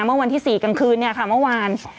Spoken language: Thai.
เมื่อวันที่๔กลางคืนเนี่ยค่ะเมื่อวาน